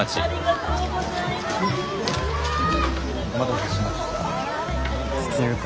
お待たせしました。